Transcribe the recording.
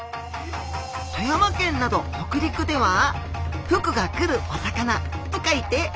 富山県など北陸では福が来るお魚と書いてふくらぎ。